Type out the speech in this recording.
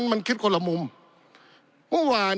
ปี๑เกณฑ์ทหารแสน๒